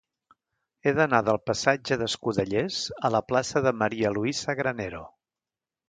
He d'anar del passatge d'Escudellers a la plaça de María Luisa Granero.